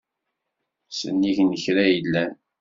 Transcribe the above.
Sennig n kra yellan.